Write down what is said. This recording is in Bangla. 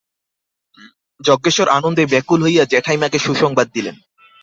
যজ্ঞেশ্বর আনন্দে ব্যাকুল হইয়া জ্যাঠাইমাকে সুসংবাদ দিলেন।